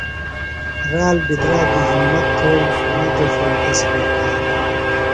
رال بِدراگی ہِمت تھوئی، نہ جو ݜوئی تس بےکار